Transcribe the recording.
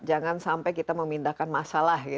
jangan sampai kita memindahkan masalah